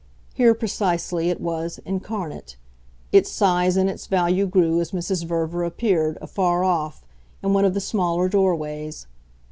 Here, precisely, it was, incarnate; its size and its value grew as Mrs. Verver appeared, afar off, in one of the smaller doorways.